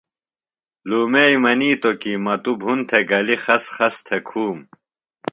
لُومئی منیتو کی مہ تو بُھن تھےۡ گلیۡ خس خس تھےۡ کُھوم۔